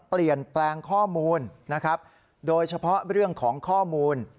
เปลี่ยนแปลงข้อมูลนะครับโดยเฉพาะเรื่องของข้อมูล